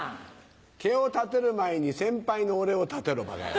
毛を立てる前に先輩の俺を立てろバカ野郎。